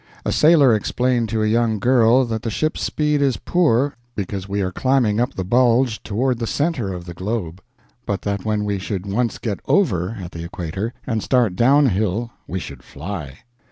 A sailor explained to a young girl that the ship's speed is poor because we are climbing up the bulge toward the center of the globe; but that when we should once get over, at the equator, and start down hill, we should fly.